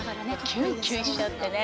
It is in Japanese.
キュンキュンしちゃってね。